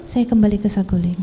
saya kembali ke saguling